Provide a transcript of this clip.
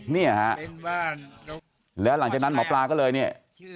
เป็นบ้านเขาแล้วหลังจากนั้นหมอปลาก็เลยเนี่ย